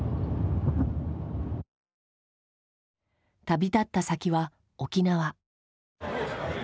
旅立った先は沖縄。